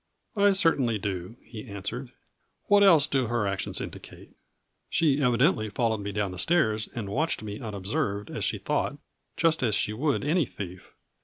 " I certainly do," he answered. " What else do her actions indicate. She evidently followed me down the stairs and watched me unobserved as she thought, just as she would any thief.